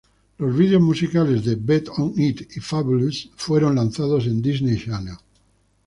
Los vídeos musicales de "Bet On It" y "Fabulous" fueron lanzados en Disney Channel.